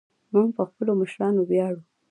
موږ په خپلو مشرانو ویاړو